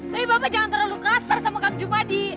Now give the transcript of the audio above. tapi bapak jangan terlalu kasar sama kak jupadi